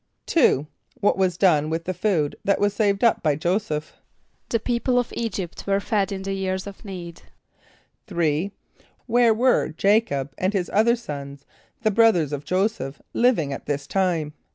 = =2.= What was done with the food that was saved up by J[=o]´[s+]eph? =The people of [=E]´[.g][)y]pt were fed in the years of need.= =3.= Where were J[=a]´cob and his other sons, the brothers of J[=o]´[s+]eph, living at this time?